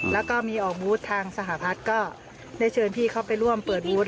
แล้วก็มีออกบูธทางสหพัฒน์ก็ได้เชิญพี่เขาไปร่วมเปิดบูธ